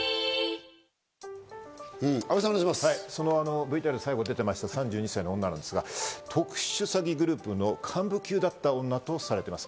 ＶＴＲに最後出てました３２歳の女ですが、特殊詐欺グループの幹部級だった女とされています。